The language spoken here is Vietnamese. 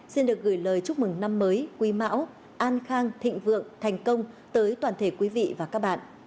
xin được gửi lời chúc mừng năm mới quý mão an khang thịnh vượng thành công tới toàn thể quý vị và các bạn